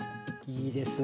いいですね。